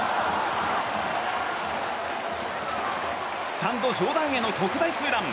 スタンド上段への特大ツーラン。